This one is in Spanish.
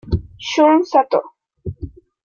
Shun Sato